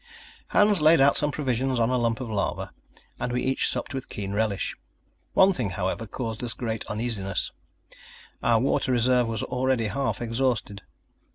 Hans laid out some provisions on a lump of lava, and we each supped with keen relish. One thing, however, caused us great uneasiness our water reserve was already half exhausted.